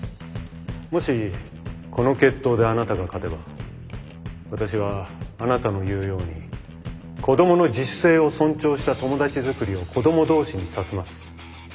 もしこの決闘であなたが勝てば私はあなたの言うように子どもの自主性を尊重した友達作りを子ども同士にさせます。